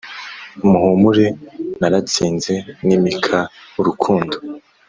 Muhumure naratsinze nimika urukundo